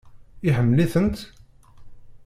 Iḥemmel-itent?